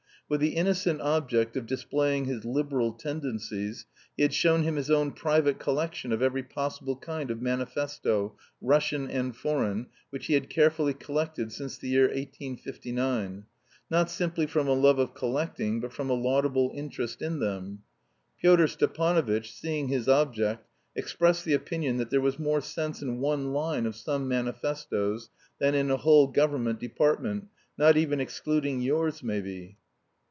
With the innocent object of displaying his Liberal tendencies he had shown him his own private collection of every possible kind of manifesto, Russian and foreign, which he had carefully collected since the year 1859, not simply from a love of collecting but from a laudable interest in them. Pyotr Stepanovitch, seeing his object, expressed the opinion that there was more sense in one line of some manifestoes than in a whole government department, "not even excluding yours, maybe."